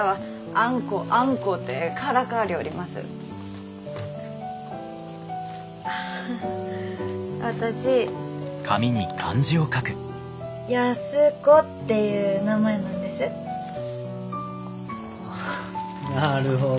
ああなるほど。